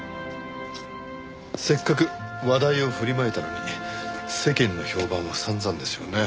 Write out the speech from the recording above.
せっかく話題を振りまいたのに世間の評判は散々ですよね。